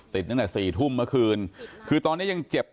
ติดเตียงได้ยินเสียงลูกสาวต้องโทรศัพท์ไปหาคนมาช่วย